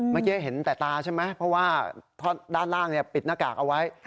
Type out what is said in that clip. เมื่อกี้เห็นแต่ตาใช่ไหมเพราะว่าท่อนด้านล่างปิดหน้ากากเอาไว้